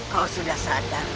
kau sudah sadar